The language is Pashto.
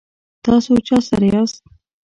تاسو چا سره یاست؟